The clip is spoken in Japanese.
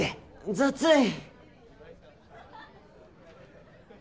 雑い！